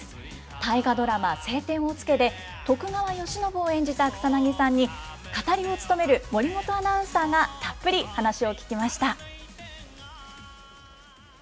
大河ドラマ、青天を衝けで、徳川慶喜を演じた草なぎさんに、語りを務める守本アナウンサーがたっぷり話を聞きまし